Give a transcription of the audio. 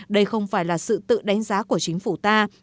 đây không phải là sự tự đánh giá của chính phủ ta